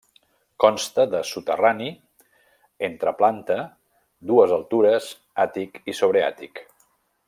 Consta de soterrani, entreplanta, dues altures, àtic i sobreàtic.